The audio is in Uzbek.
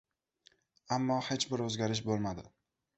Ammo hech bir oʻzgarish boʻlmadi!